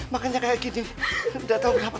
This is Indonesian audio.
makannya kayak gini enggak tahu kenapa